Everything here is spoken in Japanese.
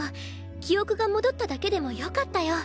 記憶が戻っただけでもよかったよ。